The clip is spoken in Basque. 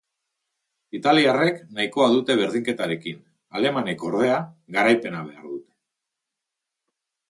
Italiarrek nahikoa dute berdinketarekin alemanek, ordea, garaipena behar dute.